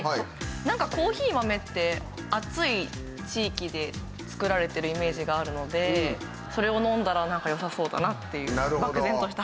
なんかコーヒー豆って暑い地域で作られているイメージがあるのでそれを飲んだらなんか良さそうだなっていう漠然とした。